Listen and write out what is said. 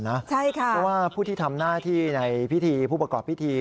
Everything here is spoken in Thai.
เพราะว่าผู้ที่ทำหน้าที่ในพิธีผู้ประกอบพิธี